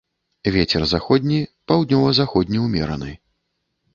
Вецер заходні, паўднёва-заходні ўмераны.